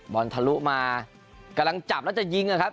บอลทะลุมากำลังจับแล้วจะยิงนะครับ